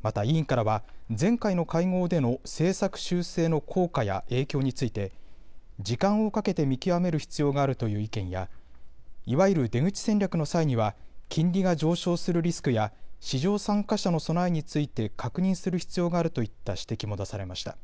また委員からは前回の会合での政策修正の効果や影響について時間をかけて見極める必要があるという意見やいわゆる出口戦略の際には金利が上昇するリスクや市場参加者の備えについて確認する必要があるといった指摘も出されました。